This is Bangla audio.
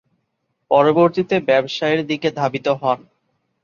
পরবর্তীতে ব্যবসায়ের দিকে ধাবিত হন।